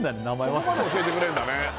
そこまで教えてくれるんだね